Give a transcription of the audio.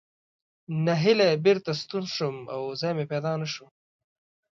نهیلی بېرته ستون شوم او ځای مې پیدا نه شو.